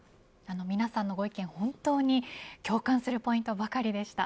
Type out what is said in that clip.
皆さんのご意見、本当に共感するポイントばかりでした。